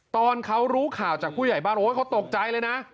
ตอนเขารู้ข่าวจากผู้ใหญ่บ้านโอ๊ยเขาตกใจเลยนะ